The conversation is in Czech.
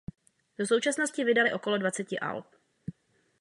Do současnosti vydali okolo dvaceti alb.